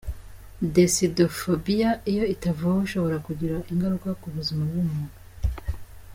Decidophobia iyo itavuwe ishobora kugira ingaruka ku buzima bw’umuntu.